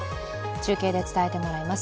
中継で伝えてもらいます。